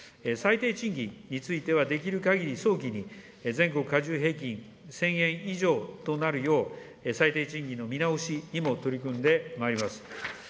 最低賃金については、できるかぎり早期に全国加重平均１０００円以上となるよう、最低賃金の見直しにも取り組んでまいります。